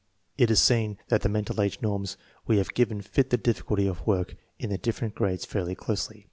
It is seen that the mental age norms we have given fit the difficulty of work in the different grades fairly closely.